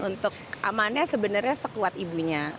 untuk amannya sebenarnya sekuat ibunya